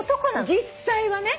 実際はね。